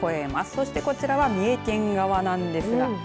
そして、こちらは三重県側なんですが。